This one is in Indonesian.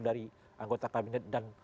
dari anggota kabinet dan